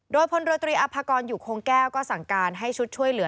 โดยพลเรือตรีอภากรอยู่คงแก้วก็สั่งการให้ชุดช่วยเหลือ